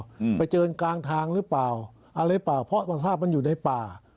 อืมมันจะไปเจอในกลางทางหรือเปล่าอะไรป่ะพอทศาสตร์มันอยู่ในป่า